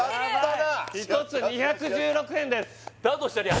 １つ２１６円です